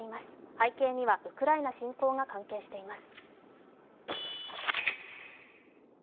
背景には、ウクライナ侵攻が関係しています。